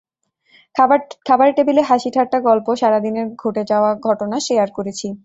খাবারের টেবিলে হাসিঠাট্টা, গল্প, সারা দিনের ঘটে যাওয়া ঘটনা শেয়ার করেছি।